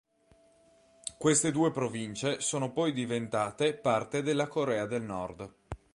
Queste due province sono poi diventate parte della Corea del Nord.